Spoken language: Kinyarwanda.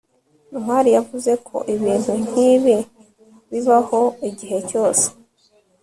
ntwali yavuze ko ibintu nkibi bibaho igihe cyose